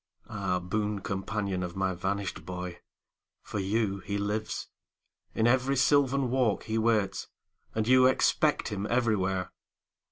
Ah, boon companion of my vanished boy. For you he lives; in every sylvan walk He waits; and you expect him everywhere.